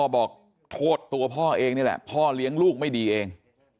บอกโทษตัวพ่อเองนี่แหละพ่อเลี้ยงลูกไม่ดีเอง